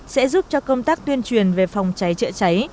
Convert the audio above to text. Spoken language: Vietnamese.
sẽ giúp cho công tác tuyên truyền về phòng cháy chữa cháy